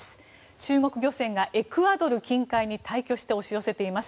中国漁船がエクアドル近海に大挙して押し寄せています。